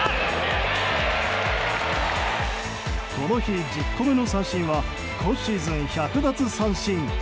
この日１０個目の三振は今シーズン１００奪三振。